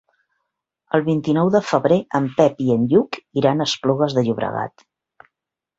El vint-i-nou de febrer en Pep i en Lluc iran a Esplugues de Llobregat.